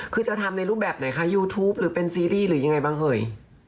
คือจะทำในรูปแบบไหนคะยูทูปหรือเป็นซีรีส์หรือยังไงบ้างเฮ้ย